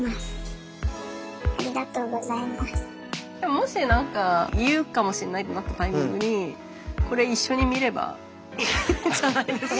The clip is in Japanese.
もし何か言うかもしんないってなったタイミングにこれ一緒に見ればいいんじゃないですか。